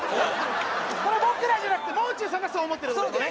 これ僕らじゃなくてもう中さんがそう思ってる